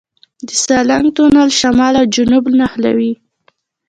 د سالنګ تونل شمال او جنوب نښلوي